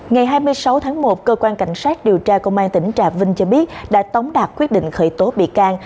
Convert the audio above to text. ngày hai mươi sáu tháng một cơ quan cảnh sát điều tra công an tỉnh trà vinh cho biết đã tống đạt quyết định khởi tố bị can